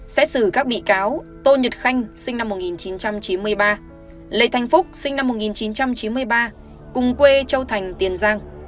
sẽ xử các bị cáo tô nhật khanh sinh năm một nghìn chín trăm chín mươi ba lệ thành phúc sinh năm một nghìn chín trăm chín mươi ba cùng quê châu thành tiền giang